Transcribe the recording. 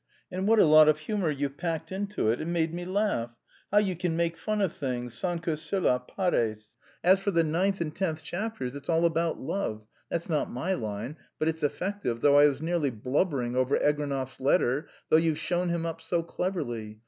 And what a lot of humour you've packed into it; it made me laugh! How you can make fun of things sans que cela paraisse! As for the ninth and tenth chapters, it's all about love; that's not my line, but it's effective though. I was nearly blubbering over Egrenev's letter, though you've shown him up so cleverly....